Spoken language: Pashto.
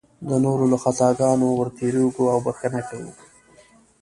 د نورو له خطاګانو ورتېرېږي او بښنه کوي.